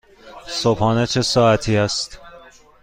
صبحانه چه ساعتی است؟